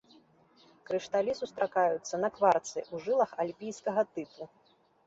Крышталі сустракаюцца на кварцы ў жылах альпійскага тыпу.